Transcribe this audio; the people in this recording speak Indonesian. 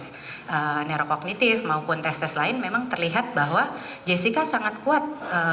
tes neurokognitif maupun tes tes lain memang terlihat bahwa jessica sangat kuat